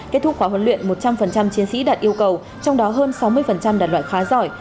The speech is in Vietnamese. kết thúc khóa huấn luyện một trăm linh chiến sĩ đạt yêu cầu trong đó hơn sáu mươi đàn loại khá giỏi